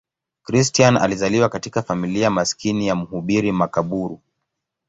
Christian alizaliwa katika familia maskini ya mhubiri makaburu.